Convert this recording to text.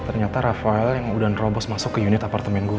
ternyata rafael yang udah nerobos masuk ke unit apartemen gue